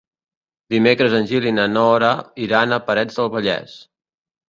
Dimecres en Gil i na Nora iran a Parets del Vallès.